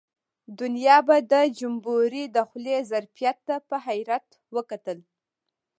دنیا به د جمبوري د خولې ظرفیت ته په حیرت وکتل.